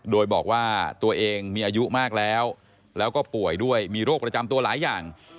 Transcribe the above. โดยบอกว่าตัวเองมีอายุมากแล้วแล้วก็ป่วยด้วยมีโรคประจำตัวหลายอย่าง